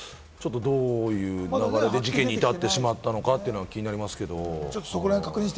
どういうことで事件に至ってしまったのかが気になります。